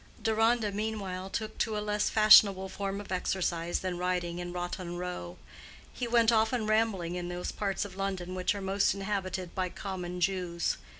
Deronda meanwhile took to a less fashionable form of exercise than riding in Rotten Row. He went often rambling in those parts of London which are most inhabited by common Jews.